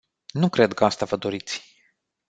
Nu cred că asta vă doriți.